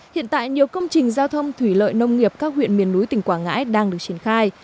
hiện tại nhiều công trình giao thông thủy lợi nông nghiệp các huyện miền núi tỉnh quảng ngãi đang được triển khai